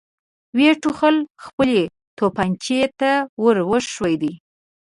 ويې ټوخل، خپلې توپانچې ته ور وښويېد.